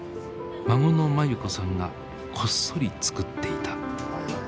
孫の眞優子さんがこっそり作っていた。